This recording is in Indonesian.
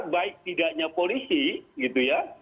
baik tidaknya polisi gitu ya